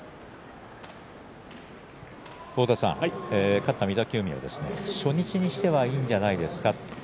勝った御嶽海は初日にしてはいいんじゃないですか。